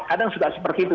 kadang sudah seperti itu